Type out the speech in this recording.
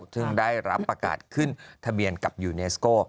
ซึ่งได้รับประกาศขึ้นทะเบียนกับยูเนสโก้